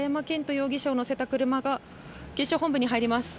容疑者を乗せた車が警視庁本部に入ります。